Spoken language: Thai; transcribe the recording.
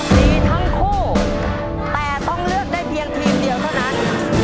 ดีทั้งคู่แต่ต้องเลือกได้เพียงทีมเดียวเท่านั้น